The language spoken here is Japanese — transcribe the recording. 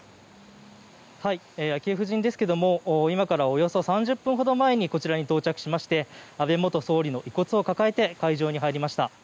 昭恵夫人ですけれど今からおよそ３０分ほど前にこちらに到着しまして安倍元総理の遺骨を抱えて会場に入りました。